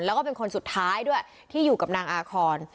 แล้วก็เป็นคนสุดท้ายด้วยที่อยู่กับนางอาคอน